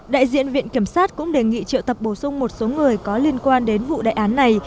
đại diện viện kiểm sát cũng đề nghị triệu tập bổ sung một số người có liên quan đến vụ đại án này